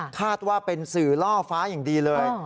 คาดว่าเป็นสื่อล่อฟ้าอย่างดีเลย